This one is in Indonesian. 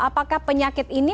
apakah penyakit ini